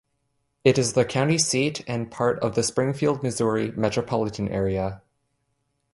It is the county seat and part of the Springfield, Missouri Metropolitan Area.